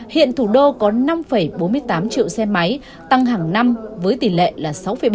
hiện thủ đô có năm bốn mươi tám triệu xe máy tăng hàng năm với tỷ lệ là sáu bảy